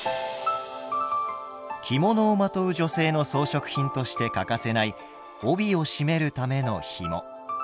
着物をまとう女性の装飾品として欠かせない帯を締めるためのひも。